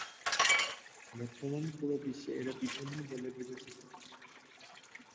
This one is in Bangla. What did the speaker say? বর্তমানে পুরো বিশ্বে এরা বিপন্ন বলে বিবেচিত।